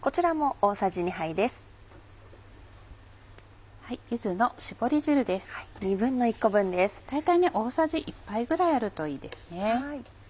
大体大さじ１杯ぐらいあるといいですね。